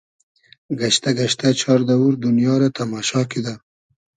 گئشتۂ گئشتۂ چار دئوور دونیا رۂ تئماشا کیدۂ